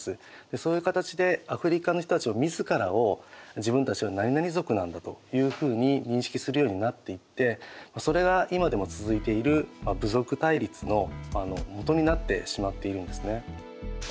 そういう形でアフリカの人たちが自らを自分たちはなになに族なんだというふうに認識するようになっていってそれが今でも続いている部族対立のもとになってしまっているんですね。